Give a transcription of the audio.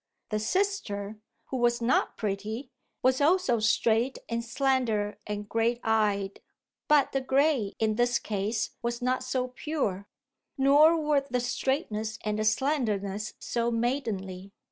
The sister, who was not pretty, was also straight and slender and grey eyed. But the grey in this case was not so pure, nor were the straightness and the slenderness so maidenly.